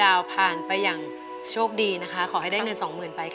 แล้วก็เห็นสายตามุ่งมั่นของคนที่เป็นลูกที่แม่นั่งอยู่ตรงนี้ด้วย